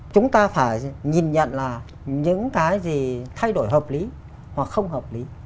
chúng ta phải nhìn nhận là những cái gì thay đổi hợp lý hoặc không hợp lý